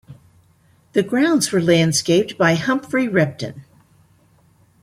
The grounds were landscaped by Humphry Repton.